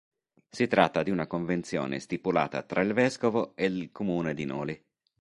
Si tratta di una convenzione stipulata tra il vescovo ed il Comune di Noli.